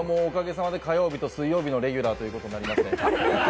おかげさまで火曜日と水曜日のレギュラーということになりまして。